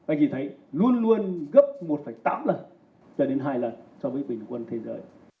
anh chị thấy luôn luôn gấp một tám lần chờ đến hai lần so với bình quân thế giới